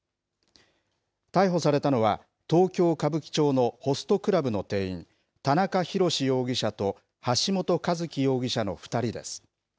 逮捕されたのは、東京・歌舞伎町のホストクラブの店員、田中裕志容疑者と橋本一喜容疑者の２人です。